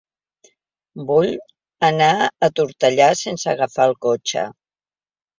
Vull anar a Tortellà sense agafar el cotxe.